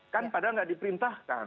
kan padahal tidak diperintahkan